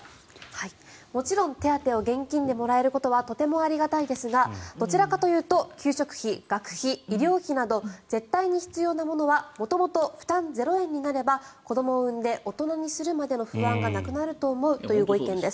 もちろん手当を現金でもらえることはとてもありがたいですがどちらかというと給食費、学費医療費など絶対に必要なものは元々、負担０円になれば子どもを産んで大人にするまでの不安がなくなると思うというご意見です。